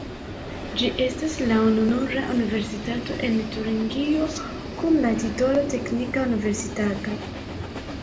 Ĝi estas la ununura universitato en Turingio kun la titolo "teknika universitato".